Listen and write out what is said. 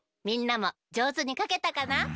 みんなもじょうずにかけたかな？